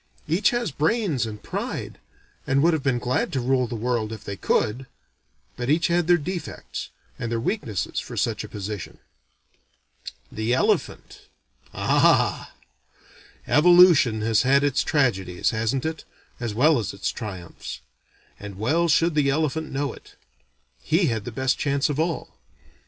Each had brains and pride, and would have been glad to rule the world if they could; but each had their defects, and their weaknesses for such a position. The elephant? Ah! Evolution has had its tragedies, hasn't it, as well as its triumphs; and well should the elephant know it. He had the best chance of all.